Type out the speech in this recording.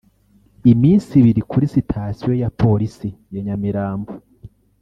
iminsi ibiri kuri sitasiyo ya Polisi ya Nyamirambo